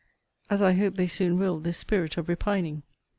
As I hope they soon will this spirit of repining.